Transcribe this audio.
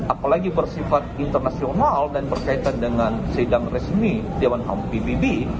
apalagi bersifat internasional dan berkaitan dengan sidang resmi dewan ham pbb